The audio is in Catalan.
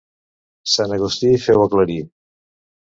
Sant Agustí, feu aclarir.